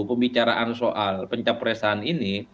pembicaraan soal pencapresan ini